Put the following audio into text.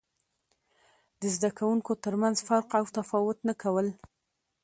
د زده کوونکو ترمنځ فرق او تفاوت نه کول.